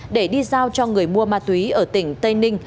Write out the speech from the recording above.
để đi giao cho người mua ma túy ở tỉnh tây ninh